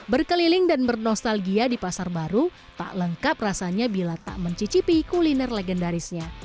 berkeliling dan bernostalgia di pasar baru tak lengkap rasanya bila tak mencicipi kuliner legendarisnya